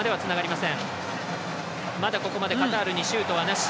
まだ、ここまでカタールにシュートはなし。